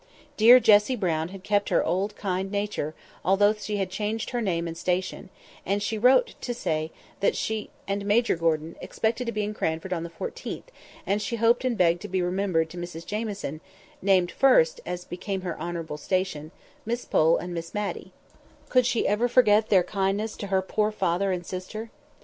Dear Jessie Brown had kept her old kind nature, although she had changed her name and station; and she wrote to say that she and Major Gordon expected to be in Cranford on the fourteenth, and she hoped and begged to be remembered to Mrs Jamieson (named first, as became her honourable station), Miss Pole and Miss Matty—could she ever forget their kindness to her poor father and sister?